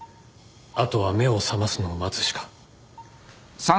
あとは目を覚ますのを待つしか。